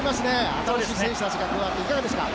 新しい選手たちが加わっていかがですか？